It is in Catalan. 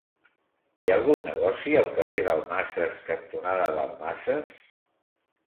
Hi ha algun negoci al carrer Dalmases cantonada Dalmases?